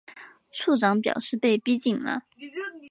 处长表示被逼紧了